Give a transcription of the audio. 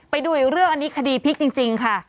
ไปดูอีกเรื่องอันนี้คดีพลิกจริงค่ะ